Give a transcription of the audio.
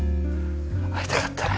会いたかったな。